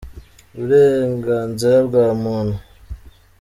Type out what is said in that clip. Uburenganzira bwa muntu.